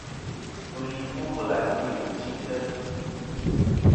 Ndu li fu bɨlàŋgi wù chɨytɨ.